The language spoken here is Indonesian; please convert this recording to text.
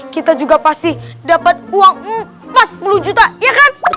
kita juga pasti dapat uang empat puluh juta ya kan